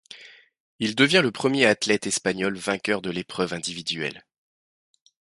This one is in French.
Il devient le premier athlète espagnol vainqueur de l'épreuve individuelle.